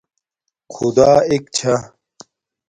خُدا اݵک چھݳ.